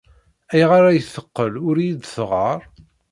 Ayɣer ay teqqel ur iyi-d-teɣɣar?